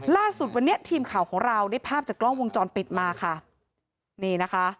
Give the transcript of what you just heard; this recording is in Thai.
ล่าสุดวันนี้ทีมข่าวของเราได้ภาพจากกล้องวงจรปิดมาค่ะนี่นะคะ